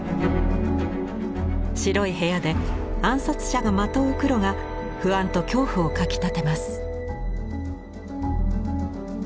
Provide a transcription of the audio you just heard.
白い部屋で暗殺者がまとう黒が不安と恐怖をかきたてます。